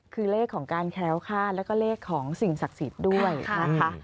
คือเลขของการแคล้วคาดแล้วก็เลขของสิ่งศักดิ์สิทธิ์ด้วยนะคะ